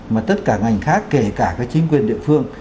mà tất cả ngành khác kể cả các chính quyền địa phương